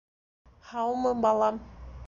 — Һаумы, балам?